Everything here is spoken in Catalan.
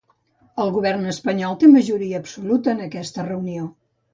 El govern espanyol té majoria absoluta en aquesta reunió